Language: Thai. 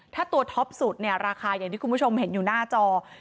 ถ้าตัวท็อปสุดเนี่ยราคาอย่างที่คุณผู้ชมเห็นอยู่หน้าจอ